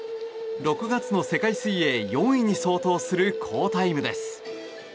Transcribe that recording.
６月の世界水泳４位に相当する好タイムです。